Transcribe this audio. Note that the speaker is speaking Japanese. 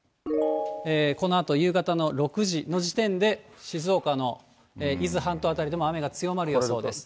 このあと夕方の６時の時点で、静岡の伊豆半島辺りでも雨が強まる予想です。